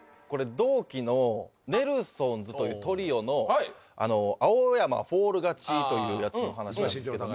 同期のネルソンズというトリオの青山フォール勝ちというヤツの話なんですけども。